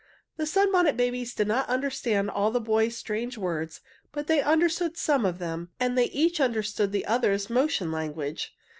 The Sunbonnet Babies did not understand all the boy's strange words, but they understood some of them, and they each understood the others' motion language.